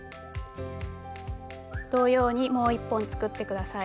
同様にもう１本作って下さい。